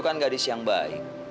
kamu kan gadis yang baik